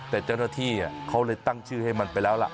แต่เจ้าหน้าที่เขาเลยตั้งชื่อให้มันไปแล้วล่ะ